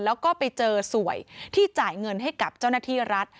แล้วก็ไปเจอสวยที่จ่ายเงินให้กับเจ้าหน้าที่รัฐ